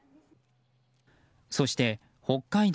そして北海道